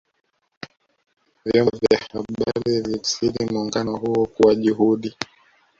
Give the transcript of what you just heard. vyombo vya habari vilitafsiri muungano huo kuwa juhudi